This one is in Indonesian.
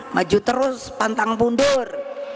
maju terus pantang mundur